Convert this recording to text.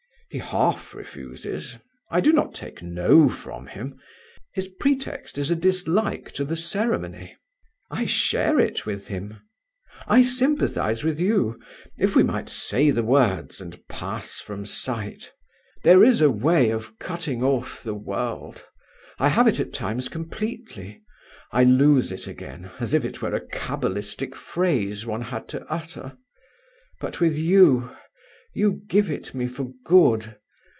"He half refuses. I do not take no from him. His pretext is a dislike to the ceremony." "I share it with him." "I sympathize with you. If we might say the words and pass from sight! There is a way of cutting off the world: I have it at times completely: I lose it again, as if it were a cabalistic phrase one had to utter. But with you! You give it me for good.